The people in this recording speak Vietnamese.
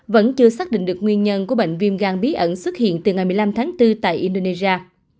vẫn chưa xác định được nguyên nhân của bệnh viêm gan bí ẩn xuất hiện từ ngày một mươi năm tháng bốn tại indonesia